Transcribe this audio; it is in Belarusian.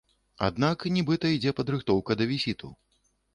Аднак, нібыта, ідзе падрыхтоўка да візіту.